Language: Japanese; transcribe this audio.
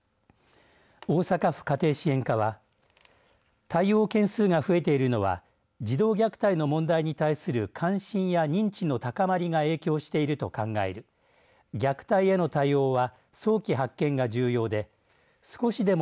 大阪府家庭支援課は対応件数が増えているのは児童虐待の問題に対する関心や認知の高まりが影響していると考える虐待への対応は早期発見が重要で少しでも